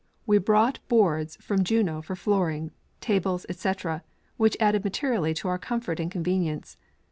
We brouglit boards from Juneau for flooring, tables, etc, which added mate rially to our comfort and convenience.